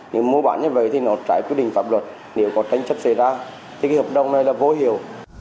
nếu mua bán như vậy thì nó trái quyết định pháp luật nếu có tranh chất xảy ra thì cái hợp đồng này là vô hiểu